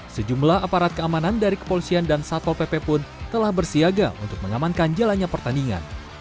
sejumlah aparat keamanan dari kepolisian dan satpol pp pun telah bersiaga untuk mengamankan jalannya pertandingan